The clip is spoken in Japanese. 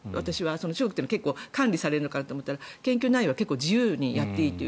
中国というのは管理されるのかなと思ったら研究内容は自由にやっていいと。